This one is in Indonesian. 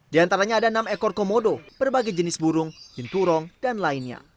di antaranya ada enam ekor komodo berbagai jenis burung binturong dan lainnya